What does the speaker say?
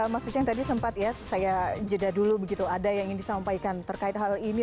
mas uceng tadi sempat ya saya jeda dulu begitu ada yang ingin disampaikan terkait hal ini